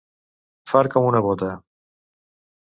Fart com una bota.